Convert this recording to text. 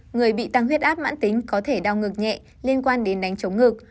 người bị tăng huyết áp mãn tính có thể đau ngực nhẹ liên quan đến đánh chống ngực